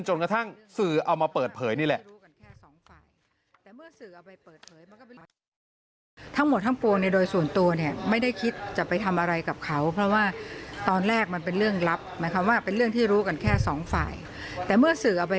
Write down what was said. จนกระทั่งสื่อเอามาเปิดเผยนี่แหละ